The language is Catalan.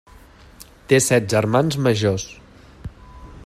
Té set germans majors.